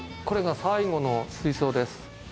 これが最後の水槽です。